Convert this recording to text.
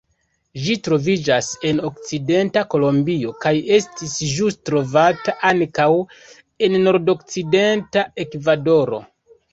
Ĝi troviĝas en okcidenta Kolombio kaj estis ĵus trovata ankaŭ en nordokcidenta Ekvadoro.